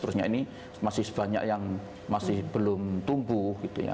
terusnya ini masih banyak yang masih belum tumbuh